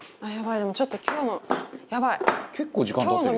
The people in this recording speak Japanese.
でもちょっと今日のやばい。